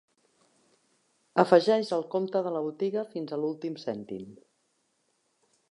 Afegeix el compte de la botiga fins a l'últim cèntim.